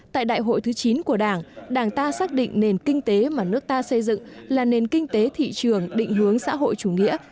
tại đại hội thứ chín của đảng đảng ta xác định nền kinh tế mà nước ta xây dựng là nền kinh tế thị trường định hướng xã hội chủ nghĩa